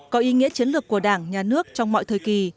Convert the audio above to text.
có ý nghĩa chiến lược của đảng nhà nước trong mọi thời kỳ